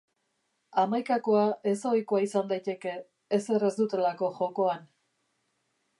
Hamaikakoa ezohikoa izan daiteke, ezer ez dutelako jokoan.